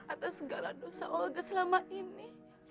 atas segala dosa oga selama ini